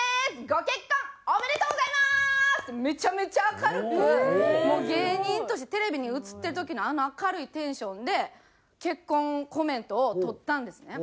「ご結婚おめでとうございます！」ってめちゃめちゃ明るく芸人としてテレビに映ってる時のあの明るいテンションで結婚コメントを撮ったんですね。